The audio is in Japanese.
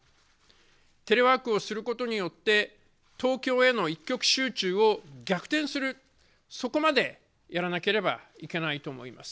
テレワークをすることによって東京への一極集中を逆転する、そこまでやらなければいけないと思います。